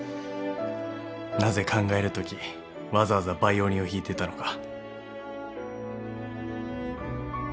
なぜ考えるときわざわざバイオリンを弾いていたのか。